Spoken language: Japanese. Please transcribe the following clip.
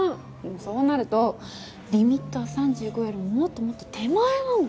そうなるとリミットは３５よりもっともっと手前なの。